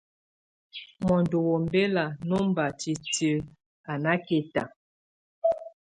Mondo wombɛla nómbatɛ́ tiek, a nákɛta.